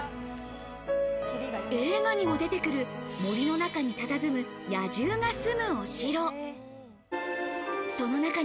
映画にも出てくる森の中にたたずむ野獣がすむお城。